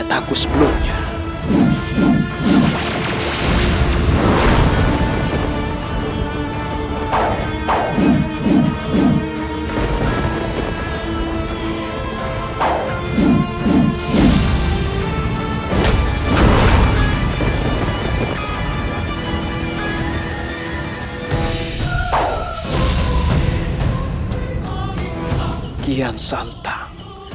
sudah kumalukan pemuda murom